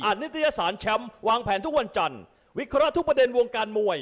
นิตยสารแชมป์วางแผนทุกวันจันทร์วิเคราะห์ทุกประเด็นวงการมวย